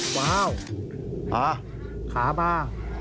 ว้าวขามา